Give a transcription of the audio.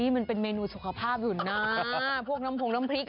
มันเป็นเมนูสุขภาพอยู่นะพวกน้ำผงน้ำพริก